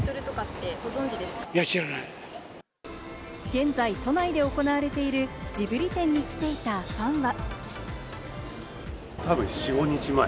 現在、都内で行われているジブリ展に来ていたファンは。